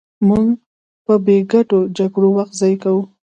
موږ په بې ګټې جګړو وخت ضایع کوو.